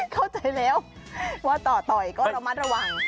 เข้าใจแล้วว่าต่อต่อยก็ระมัดระวัง